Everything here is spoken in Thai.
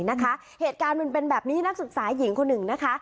เหตุการณ์มันเป็นแบบนี้นักศึกษาหญิงคนหนึ่งนะคะ